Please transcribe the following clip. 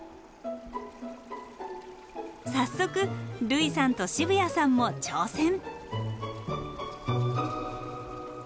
早速類さんと渋谷さんも挑戦。